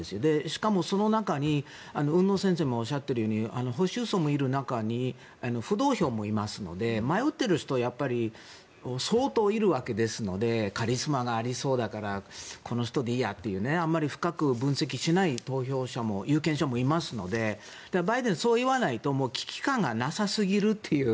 しかもその中に海野先生もおっしゃっているように保守層もいる中に浮動票もいますので迷っている人は相当いるわけですのでカリスマがありそうだからこの人でいいやってあまり深く分析しない投票者有権者もいますのでバイデン、そういわないと危機感がなさすぎるという。